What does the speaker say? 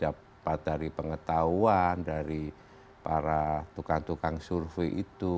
dapat dari pengetahuan dari para tukang tukang survei itu